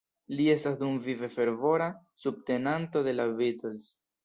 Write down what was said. Li estas dumvive fervora subtenanto de la "Beatles".